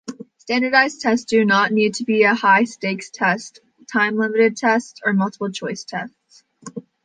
Standardized tests do not need to be high-stakes tests, time-limited tests, or multiple-choice tests.